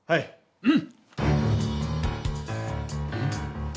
うん。